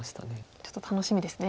ちょっと楽しみですね。